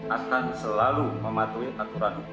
akan selalu mematuhi aturan hukum yang berlanggu